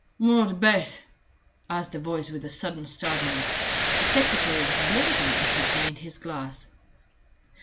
"What bet?" asked a voice with a sudden start in it. The secretary was blinking as he drained his glass.